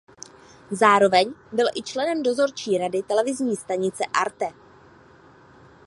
Zároveň byl i členem dozorčí rady televizní stanice Arte.